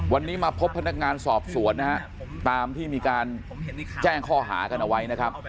วันนี้มาพบพนักงานสอบสวนนะฮะตามที่มีการแจ้งข้อหากันเอาไว้นะครับ